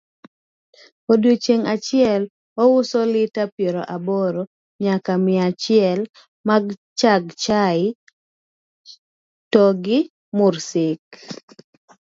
odiochieng' achiel ouso lita piero aboro nyaka mia achiel marchag chae togi mursik